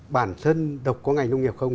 bản thân độc có ngành nông nghiệp không